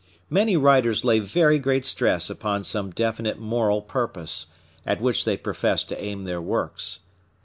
Many writers lay very great stress upon some definite moral purpose, at which they profess to aim their works.